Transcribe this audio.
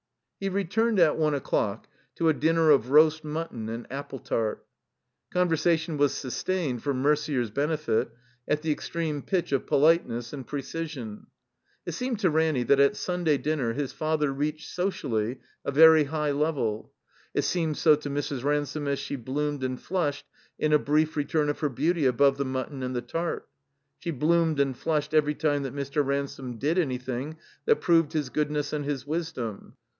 He returned, at one o'clock, to a dinner of roast mutton and apple tart. Conversation was sus tained, for Mercier's benefit, at the extreme pitch of politeness and precision. It seemed to Ranny that at Simday dinner his father reached, socially, a very high level. It seemed so to Mrs. Ransome as she bloomed and flushed in a brief return of her beauty above the mutton and the tart. She bloomed and flushed every time that Mr. Ransome did any thing that proved his goodness and his wisdom.